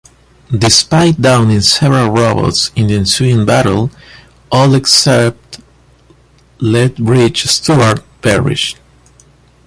Despite downing several robots in the ensuing battle, all except Lethbridge-Stewart perish.